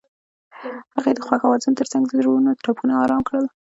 هغې د خوښ اوازونو ترڅنګ د زړونو ټپونه آرام کړل.